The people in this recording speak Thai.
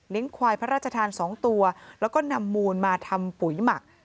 ควายพระราชทาน๒ตัวแล้วก็นำมูลมาทำปุ๋ยหมัก